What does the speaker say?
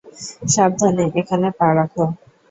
সাবধানে, এখানে পা রাখ।